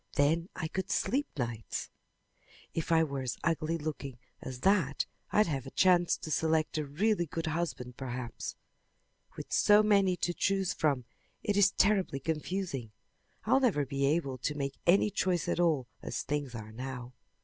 "Then I could sleep nights." "If I were as ugly looking as that I'd have a chance to select a really good husband perhaps. With so many to choose from it is terribly confusing. I'll never be able to make any choice at all as things are now.